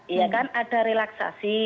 iya kan ada relaksasi